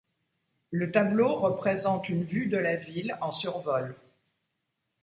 Le tableau représente une vue de la ville en survol.